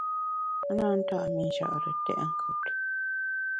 A na nta’ mi Nchare tèt nkùt.